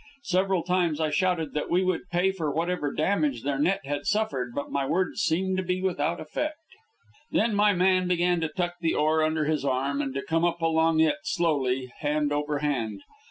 Several times I shouted that we would pay for whatever damage their net had suffered, but my words seemed to be without effect. Then my man began to tuck the oar under his arm, and to come up along it, slowly, hand over hand.